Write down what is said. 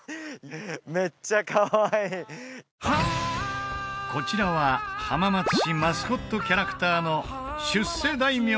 めっちゃかわいいこちらは浜松市マスコットキャラクターの出世大名